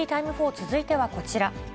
続いてはこちら。